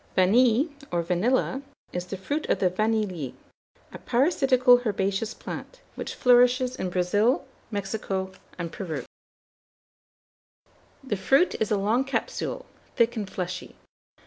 VANILLE or VANILLA, is the fruit of the vanillier, a parasitical herbaceous plant, which flourishes in Brazil, Mexico, and Peru. The fruit is a long capsule, thick and fleshy.